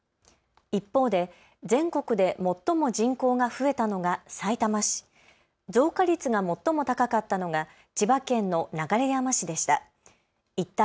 一方で全国で最も人口が増えたのがさいたま市、増加率が最も高かったのが千葉県の流山市でした。